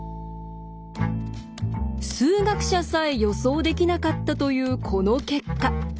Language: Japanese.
数学者さえ予想できなかったというこの結果。